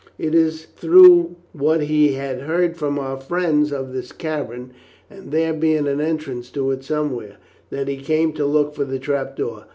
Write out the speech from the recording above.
It is through what he had heard from our friends of this cavern, and there being an entrance to it somewhere, that he came to look for the trap door.